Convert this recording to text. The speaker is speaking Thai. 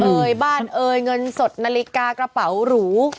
เอ่ยบ้านเอ่ยเงินสดนาฬิกากระเป๋าหรู